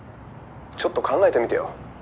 「ちょっと考えてみてよ」